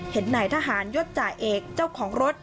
เห็นนายทหารยศจ่าเอกเจ้าของรถ